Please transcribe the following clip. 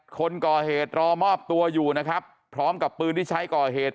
คนก่อเหตุรอมอบตัวอยู่นะครับพร้อมกับปืนที่ใช้ก่อเหตุ